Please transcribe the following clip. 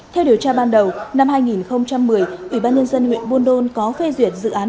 theo điều tra ban đầu năm hai nghìn một mươi ủy ban nhân dân huyện buôn đôn có phê duyệt dự án